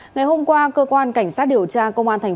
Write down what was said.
ngày hôm qua cơ quan cảnh sát điều tra công an đã ra quyết định